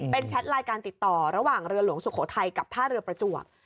เป็นแชทไลน์การติดต่อระหว่างเรือหลวงสุโขทัยกับท่าเรือประจวบ